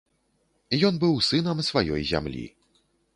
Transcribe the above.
Ён быў сынам сваёй зямлі.